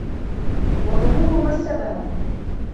وَظُهُورُ مَا اسْتَبْهَمَ